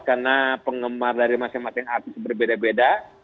karena penggemar dari masyarakat yang artis berbeda beda